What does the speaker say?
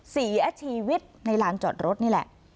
สี่อาทีวิทย์ในร้านจอดรถนี่แหละ